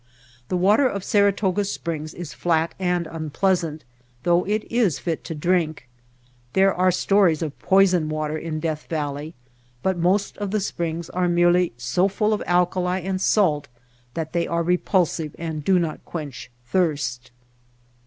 The water of Saratoga Springs is flat and unpleasant, though it is fit to drink. There are stories of poison water in Death Valley, but most of the springs are merely so full of alkali and salt that they are repulsive and do not quench thirst.